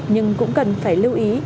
nhưng cũng cần phải lưu ý